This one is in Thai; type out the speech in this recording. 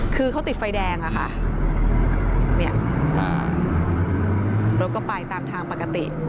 คือเขาติดไฟแดงอะค่ะเนี่ยรถก็ไปตามทางปกติ